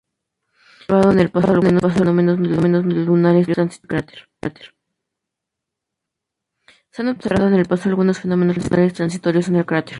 Se han observado en el pasado algunos fenómenos lunares transitorios en el cráter.